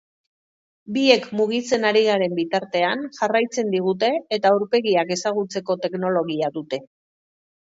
Biek mugitzen ari garen bitartean jarraitzen digute eta aurpegiak ezagutzeko teknologia dute.